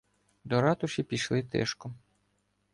До ратуші пішли тишком.